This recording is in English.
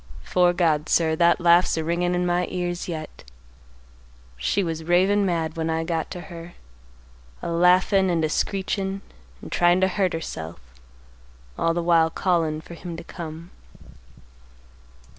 'Fore God, sir, that laugh's a ringin' in my ears yet. She was ravin' mad when I got to her, a laughin', and a screechin', and tryin' to hurt herself, all the while callin' for him to come.